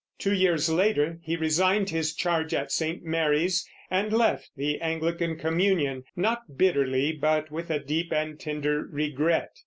Two years later he resigned his charge at St. Mary's and left the Anglican communion, not bitterly, but with a deep and tender regret.